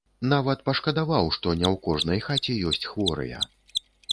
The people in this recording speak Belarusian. Нават пашкадаваў, што не ў кожнай хаце ёсць хворыя.